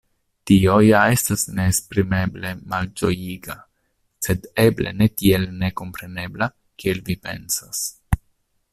Tio ja estas neesprimeble malĝojiga, sed eble ne tiel nekomprenebla, kiel vi pensas.